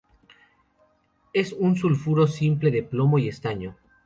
Es un sulfuro simple de plomo y estaño.